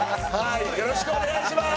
よろしくお願いします。